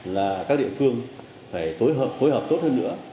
là các địa phương phải phối hợp tốt hơn nữa